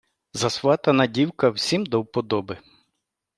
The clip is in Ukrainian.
Засватана дівка всім до вподоби.